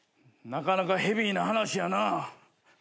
なかなかヘビーな話やな。